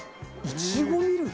いちごミルク？